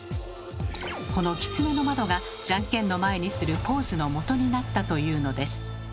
この「狐の窓」がじゃんけんの前にするポーズのもとになったというのです。